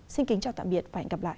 xin kính chào tạm biệt và hẹn gặp lại